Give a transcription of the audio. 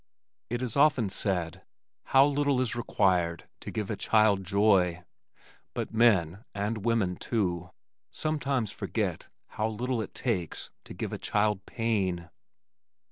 It is often said, "How little is required to give a child joy," but men and women too sometimes forget how little it takes to give a child pain.